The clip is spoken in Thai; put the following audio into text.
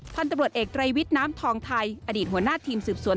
พันธุ์ตำรวจเอกไตรวิทย์น้ำทองไทยอดีตหัวหน้าทีมสืบสวน